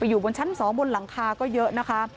อยู่บนชั้น๒บนหลังคาก็เยอะนะคะ